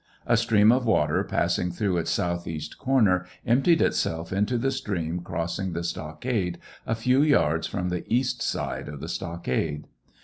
A stream of water passing through its southeast corner emptied itself into the stream crossing the stockade, a few yards from the east side of the stockade.